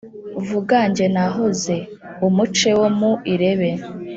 Vuga jye nahoze. Umuce wo mu irebe